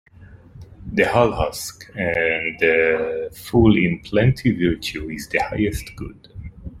The hull husk and the full in plenty Virtue is the highest good.